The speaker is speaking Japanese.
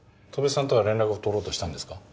戸部さんとは連絡を取ろうとしたんですか？